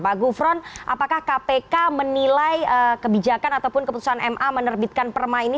pak gufron apakah kpk menilai kebijakan ataupun keputusan ma menerbitkan perma ini